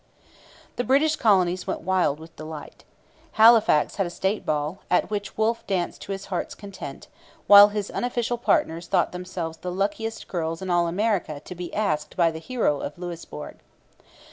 The British colonies went wild with delight. Halifax had a state ball, at which Wolfe danced to his heart's content; while his unofficial partners thought themselves the luckiest girls in all America to be asked by the hero of Louisbourg.